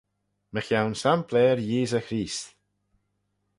Mychione sampleyr Yeesey Creest.